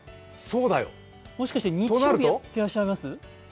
もしかして日曜日やってらっしゃいます？